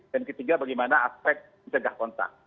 dan ketiga bagaimana aspek menjaga kontak